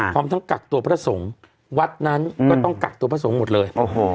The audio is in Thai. พร้อมทั้งกักตัวพระสงฆ์วัดนั้นก็ต้องกักตัวพระสงฆ์หมดเลย